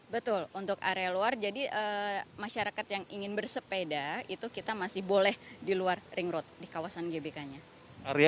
betul untuk area luar jadi masyarakat yang ingin bersepeda itu kita masih boleh di luar ring road di kawasan gbk nya